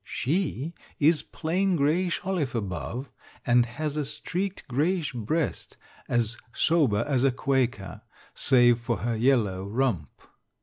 She is plain grayish olive above, and has a streaked grayish breast, as sober as a Quaker, save for her yellow rump.